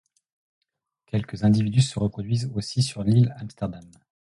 Quelques individus se reproduisent aussi sur l'île Amsterdam.